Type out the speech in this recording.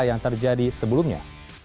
yang terjadi sebelumnya